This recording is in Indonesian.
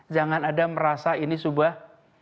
jangan ada merasa ini sebuah